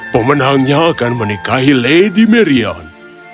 pemenangnya akan menikahi lady marion